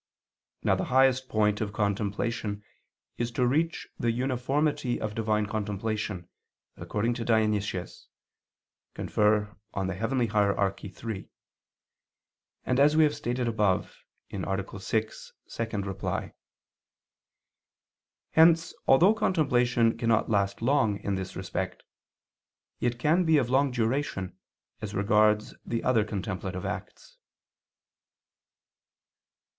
Now the highest point of contemplation is to reach the uniformity of Divine contemplation, according to Dionysius [*Cf. Coel. Hier. iii], and as we have stated above (A. 6, ad 2). Hence although contemplation cannot last long in this respect, it can be of long duration as regards the other contemplative acts.